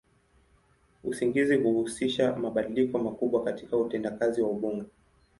Usingizi huhusisha mabadiliko makubwa katika utendakazi wa ubongo.